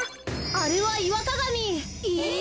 あれはイワカガミ。え！